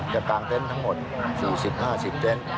จะกลางเต้นทั้งหมดสู่๑๐๕๐เต้น